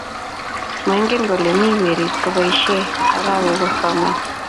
Maingen kole mi weri kiboisie arawee kosoman